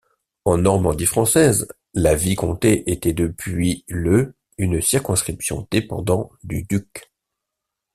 En Normandie française, la vicomté était depuis le une circonscription dépendant du duc.